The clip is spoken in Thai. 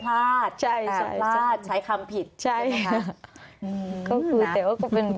พลาดใช้คำผิดใช่ไหมคะ